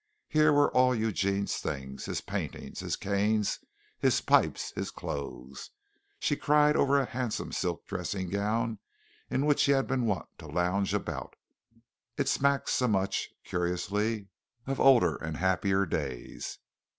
Here were all Eugene's things, his paintings, his canes, his pipes, his clothes. She cried over a handsome silk dressing gown in which he had been wont to lounge about it smacked so much, curiously, of older and happier days.